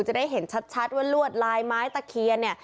จะได้เห็นชัดว่าลวดลายไม้ตะเคียนเนี่ย